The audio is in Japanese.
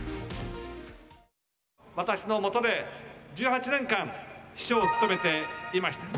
私の下で１８年間、秘書を務めていました。